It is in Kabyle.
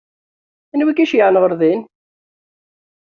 Anwa i k-iceyyɛen ɣer din?